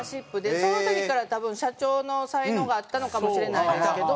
その時から多分社長の才能があったのかもしれないですけど。